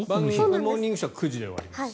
「モーニングショー」は９時で終わります。